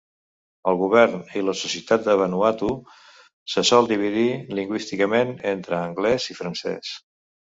El govern i la societat de Vanuatu se sol dividir lingüísticament entre anglès i francès.